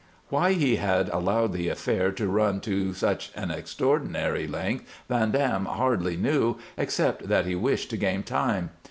Why he had allowed the affair to run to so extraordinary a length Van Dam hardly knew, except that he wished to gain time.